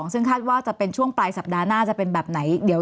ซึ่งคาดว่าจะเป็นช่วงปลายสัปดาห์หน้าจะเป็นแบบไหน